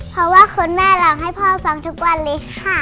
เพราะว่าคุณแม่ร้องให้พ่อฟังทุกวันเลยค่ะ